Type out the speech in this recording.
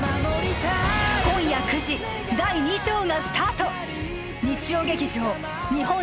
今夜９時第二章がスタート